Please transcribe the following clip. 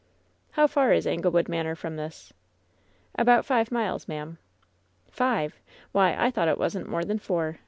"How far is Anglewood Manor from this?" "About five miles, ma'am." " Tive V Why, I thought it wasn't more than foHr.